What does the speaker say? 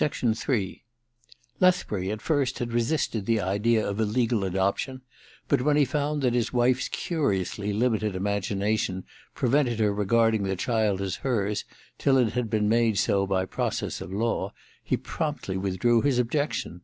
Ill Lbthburv, at first, had resisted the idea of a legal adoption ; but when he found that his wife could not be brought to regard the child as hers till it had been made so by process of law, he promptly withdrew his objection.